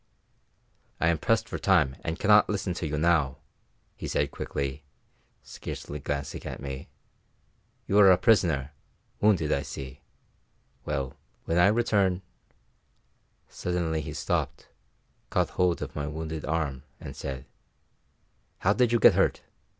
"I am pressed for time and cannot listen to you now," he said quickly, scarcely glancing at me. "You are a prisoner wounded, I see; well, when I return " Suddenly he stopped, caught hold of my wounded arm, and said, "How did you get hurt?